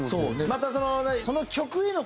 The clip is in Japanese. またその何？